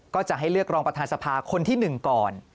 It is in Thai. ก็จะให้เลือกรองประธานสภาคนที่๑ก่อน